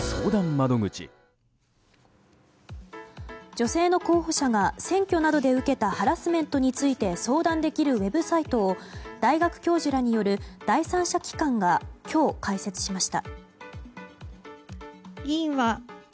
女性の候補者が選挙などで受けたハラスメントについて相談できるウェブサイトを大学教授らによる第三者機関が今日開設しました。